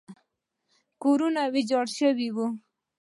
کورونه ویجاړ شوي وو.